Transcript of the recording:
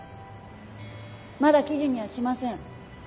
まだ記事にはしません。